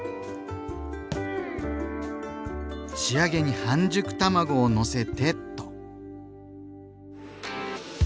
仕上げに半熟卵をのせてっと。